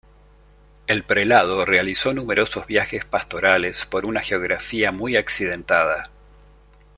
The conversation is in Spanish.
El prelado realizó numerosos viajes pastorales por una geografía muy accidentada.